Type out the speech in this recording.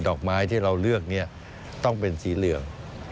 ดอกไม้ที่เราเลือกเนี่ยต้องเป็นสีเหลือง